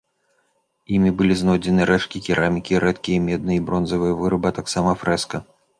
Імі былі знойдзены рэшткі керамікі, рэдкія медныя і бронзавыя вырабы, а таксама фрэска.